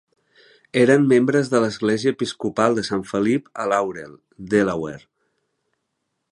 Eren membres de l'Església Episcopal de Sant Felip a Laurel, Delaware.